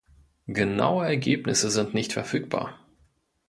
Genaue Ergebnisse sind nicht verfügbar.